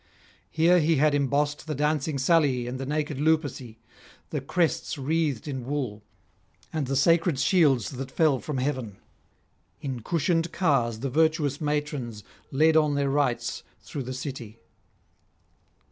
Here he had embossed the dancing Salii and the naked Luperci, the crests wreathed in wool, and the sacred shields that fell from heaven; in cushioned cars the virtuous matrons led on their rites through the city.